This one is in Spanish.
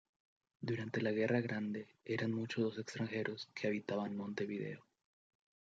Durante la Guerra Grande eran muchos los extranjeros que habitaban Montevideo.